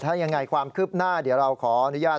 ถ้ายังไงความคืบหน้าเดี๋ยวเราขออนุญาต